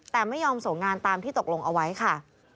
แต่ไม่ยอมส่งงานตามที่ตกลงเอาไว้ค่ะ